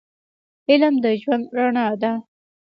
علم د ژوند رڼا ده